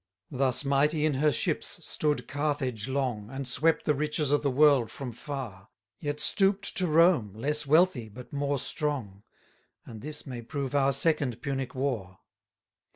5 Thus mighty in her ships, stood Carthage long, And swept the riches of the world from far; Yet stoop'd to Rome, less wealthy, but more strong: And this may prove our second Punic war.